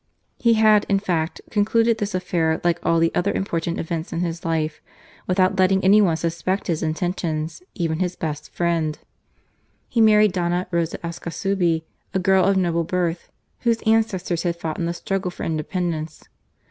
He had, in fact, concluded this affair like all the other important events in his life, without letting any one suspect his intentions, even his best friend. He married Dofta Rosa Ascasubi, a girl of noble birth, whose ancestors had fought in the struggle for independence.